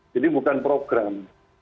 jadi bukan program